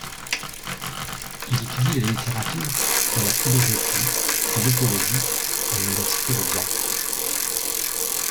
Il étudie la littérature et la philosophie et l'écologie à l'Université de Gand.